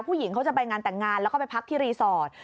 ผู้หญิงเขาจะไปงานแต่งงานแล้วก็ไปพักที่รีสอร์ท